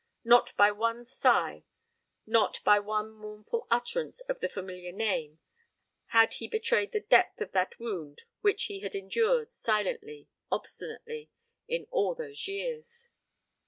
Not by one sigh, not by one mournful utterance of the familiar name, had he betrayed the depth of that wound which he had endured, silently, obstinately, in all these years.